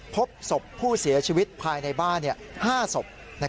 พบศพผู้เสียชีวิตภายในบ้าน๕ศพ